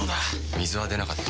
水は出なかった。